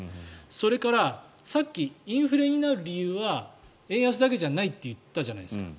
それから、さっきインフレになる理由は円安だけじゃないと言ったじゃないですか。